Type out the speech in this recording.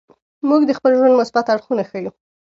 موږ د خپل ژوند مثبت اړخونه ښیو.